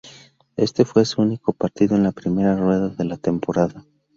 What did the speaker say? Ese fue su único partido en la primera rueda de la temporada.